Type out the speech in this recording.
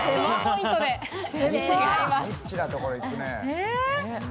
え？